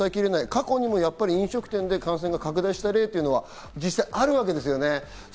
過去にも飲食店で感染が拡大した例というのは実際あるわけですね。